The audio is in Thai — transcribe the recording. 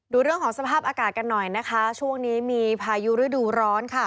ดูเรื่องของสภาพอากาศกันหน่อยนะคะช่วงนี้มีพายุฤดูร้อนค่ะ